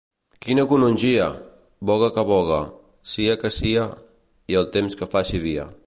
Quina canongia! Voga que voga, cia que cia, i el temps que faci via.